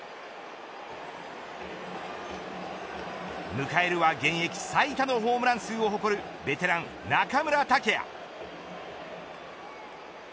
迎えるは現役最多のホームラン数を誇るベテラン、中村剛也。